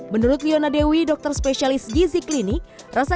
menurut yona dewi dokter spesialis gizi klinik rasa